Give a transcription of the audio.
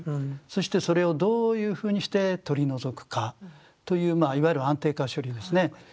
そしてそれをどういうふうにして取り除くかというまあいわゆる安定化処理ですね。